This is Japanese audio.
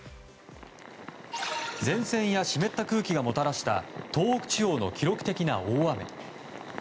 前線や湿った空気がもたらした東北地方の記録的な大雨。